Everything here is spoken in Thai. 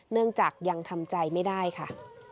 เนื่องจากยังทำใจไม่ได้ค่ะ